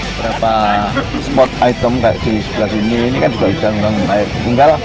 berapa spot item di sebelah sini ini kan juga ada air bungkal